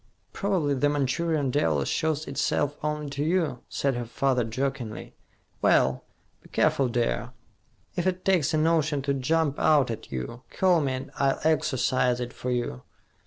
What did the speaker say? "Probably the Manchurian devil shows itself only to you," said her father jokingly. "Well, be careful, dear. If it takes a notion to jump out at you, call me and I'll exorcise it for you."